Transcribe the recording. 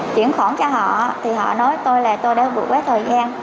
chuyển khoản cho họ thì họ nói tôi là tôi đã vượt quá thời gian